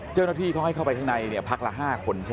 เจ้าหน้าที่เขาให้เข้าไปข้างในภักษ์ละ๕คน